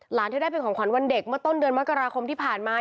เธอได้เป็นของขวัญวันเด็กเมื่อต้นเดือนมกราคมที่ผ่านมา